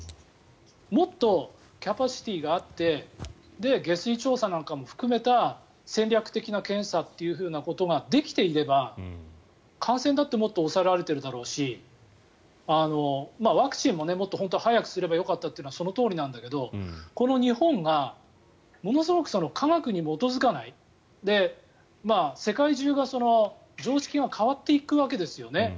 もっとキャパシティーがあって下水調査なんかも含めた戦略的な検査というふうなことができていれば感染だってもっと抑えられているだろうしワクチンももっと本当は早くすればよかったというのはそのとおりなんだけどこの日本がものすごく科学に基づかない世界中が常識が変わっていくわけですよね。